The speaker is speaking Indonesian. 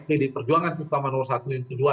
pd perjuangan terutama satu dan kedua